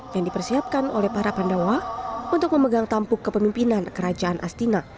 yang dipersiapkan oleh para pandawa untuk memegang tampuk kepemimpinan kerajaan astina